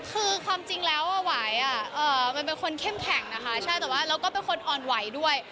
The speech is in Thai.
คือความจริงแล้ววายอ่ะเป็นคนเค่มแข็งแต่ก็เป็นคนอ่อนไหวอด้วย